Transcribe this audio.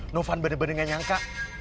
novan bener bener gak nyangka